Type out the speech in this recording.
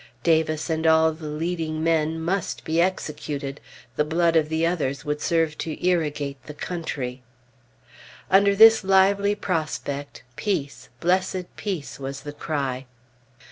Davis and all leading men must be executed; the blood of the others would serve to irrigate the country. Under this lively prospect, Peace, blessed Peace! was the cry.